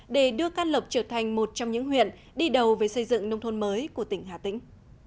để đưa can lộc trở thành một trong những huyện đi đầu với xây dựng nông thôn mới của tỉnh hà tĩnh